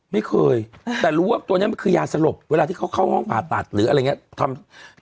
ไม่เคยแต่รู้ว่าตัวนี้มันคือยาสลบเวลาที่เขาเข้าห้องผ่าตัดหรืออะไรอย่างนี้